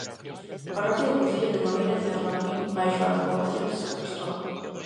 Parroquia do concello de Nogueira de Ramuín baixo a advocación de san Cristovo.